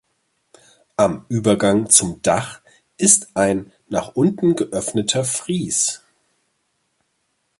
Am Übergang zum Dach ist ein nach unten geöffneter Fries.